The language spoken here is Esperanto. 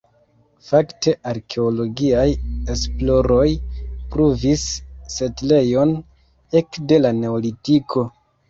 Fakte arkeologiaj esploroj pruvis setlejon ekde la neolitiko.